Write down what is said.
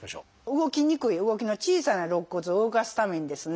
動きにくい動きの小さな肋骨を動かすためにですね